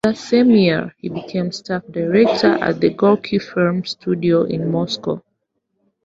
That same year, he became staff director at the Gorky Film Studio in Moscow.